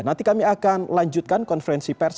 nanti kami akan lanjutkan konferensi pers